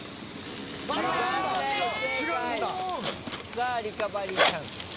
さあリカバリーチャンスです。